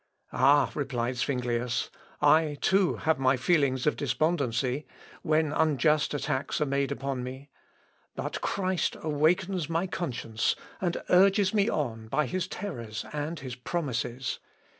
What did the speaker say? "Ah!" replied Zuinglius, "I too have my feelings of despondency, when unjust attacks are made upon me; but Christ awakens my conscience, and urges me on by his terrors and his promises.